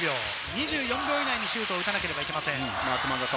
２４秒以内にシュートを打たなければいけません。